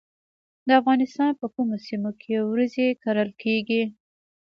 د افغانستان په کومو سیمو کې وریجې کرل کیږي؟